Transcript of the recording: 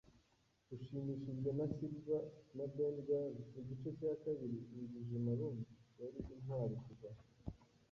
ushimishijwe na silver; na Ben Gunn, igice cya kabiri-injiji maroon, yari intwari kuva